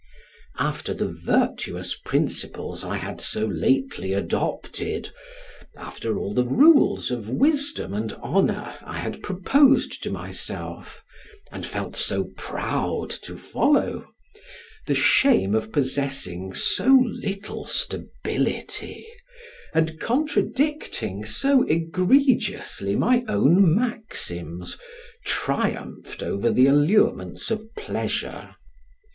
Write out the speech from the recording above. After the virtuous principles I had so lately adopted, after all the rules of wisdom and honor I had proposed to myself, and felt so proud to follow, the shame of possessing so little stability, and contradicting so egregiously my own maxims, triumphed over the allurements of pleasure.